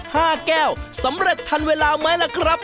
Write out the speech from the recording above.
ห้าแก้วสำเร็จทันเวลาไหมล่ะครับ